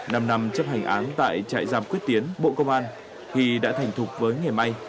năm năm chấp hành án tại trại giam quyết tiến bộ công an khi đã thành thục với nghề may